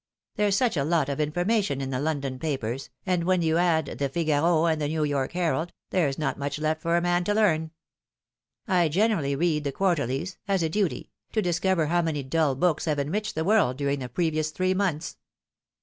There's such a lot of information in the London papers, and when you add the Figaro and the New York Herald, there's not much left for a man to learn. I generally read the Quarterlies as a duty to discover how many dull books have enriched the world during the previous three months."